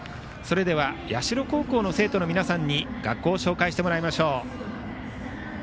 では社高校の生徒の皆さんに学校を紹介してもらいましょう。